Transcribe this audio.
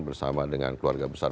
bersama dengan keluarga besar